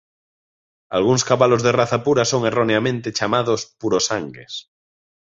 Algúns cabalos de raza pura son erroneamente chamados "purosangues".